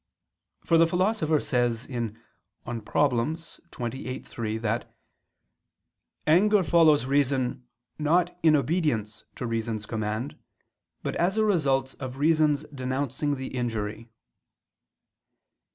For the Philosopher says (De Problem. xxviii, 3) that "anger follows reason, not in obedience to reason's command, but as a result of reason's denouncing the injury."